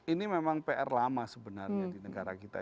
ini memang pr lama sebenarnya di negara kita